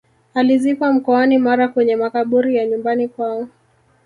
alizikwa mkoani mara kwenye makaburi ya nyumbani kwao